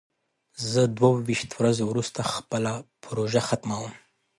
زه دوه ویشت ورځې وروسته خپله پروژه ختموم.